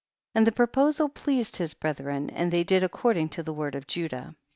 And the pro posal pleased his brethren and they did according to the word of Judah.